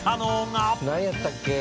なんやったっけ？